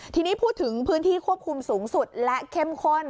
ทีนี้พูดถึงพื้นที่ควบคุมสูงสุดและเข้มข้น